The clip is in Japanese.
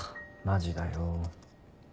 マジだよ。